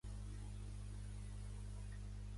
Durant anys, ambdós van jugar a pàdelbol junts.